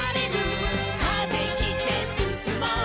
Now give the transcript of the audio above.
「風切ってすすもう」